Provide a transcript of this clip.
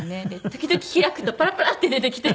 時々開くとパラパラって出てきて。